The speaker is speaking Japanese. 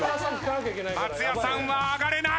松也さんは上がれない！